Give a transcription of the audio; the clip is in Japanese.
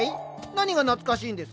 何が懐かしいんですか？